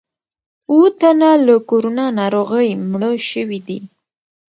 اووه تنه له کورونا ناروغۍ مړه شوي دي.